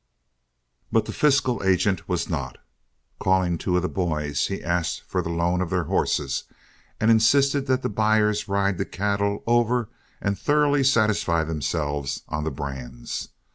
But the fiscal agent was not. Calling two of the boys, he asked for the loan of their horses and insisted that the buyers ride the cattle over and thoroughly satisfy themselves on the brands.